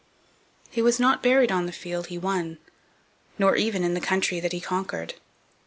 He was not buried on the field he won, nor even in the country that he conquered.